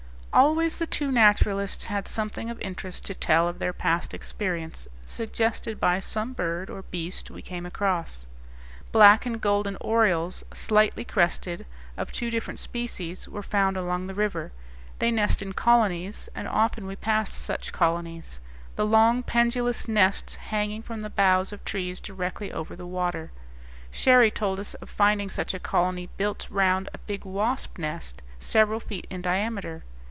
Always the two naturalists had something of interest to tell of their past experience, suggested by some bird or beast we came across. Black and golden orioles, slightly crested, of two different species were found along the river; they nest in colonies, and often we passed such colonies, the long pendulous nests hanging from the boughs of trees directly over the water. Cherrie told us of finding such a colony built round a big wasp nest, several feet in diameter.